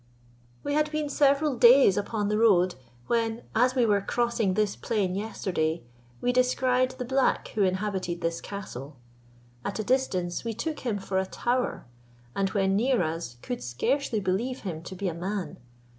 We had been several days upon the road, when, as we were crossing this plain yesterday, we descried the black who inhabited this castle. At a distance we took him for a tower, and when near us, could scarcely believe him to be a man.